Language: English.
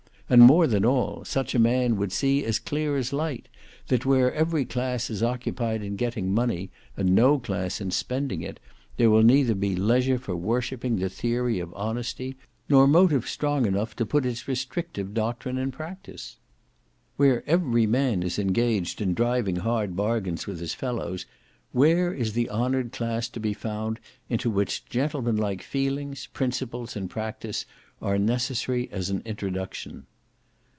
And more than all, such a man would see as clear as light, that where every class is occupied in getting money, and no class in spending it, there will neither be leisure for worshipping the theory of honesty, nor motive strong enough to put its restrictive doctrine in practice. Where every man is engaged in driving hard bargains with his fellows, where is the honoured class to be found into which gentleman like feelings, principles, and practice, are necessary as an introduction?